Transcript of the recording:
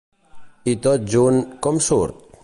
I tot junt, com surt?